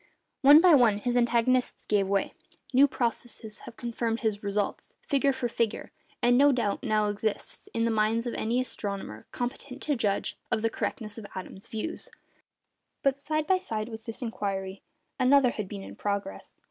One by one his antagonists gave way; new processes have confirmed his results, figure for figure; and no doubt now exists, in the mind of any astronomer competent to judge, of the correctness of Adams's views. But, side by side with this inquiry, another had been in progress.